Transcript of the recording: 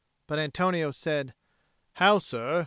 But Antonio said, "How, sir?